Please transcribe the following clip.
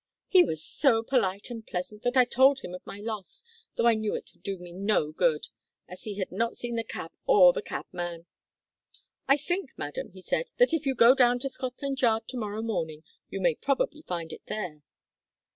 He was so polite and pleasant that I told him of my loss, though I knew it would do me no good, as he had not seen the cab or the cabman. "`I think, madam,' he said, `that if you go down to Scotland Yard to morrow morning, you may probably find it there.'